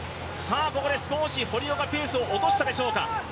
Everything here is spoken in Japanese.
ここで少し堀尾がペースを落としたでしょうか。